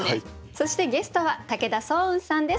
そしてゲストは武田双雲さんです。